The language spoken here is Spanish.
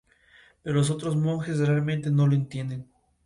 Una parte del contenido llegó a estar escrito por autores extranjeros.